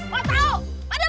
tuh ayo mau tau